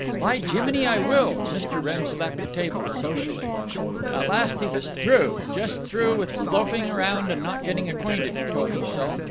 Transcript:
"By jiminy, I will!" Mr. Wrenn slapped the table, socially. At last he was "through, just through with loafing around and not getting acquainted," he told himself.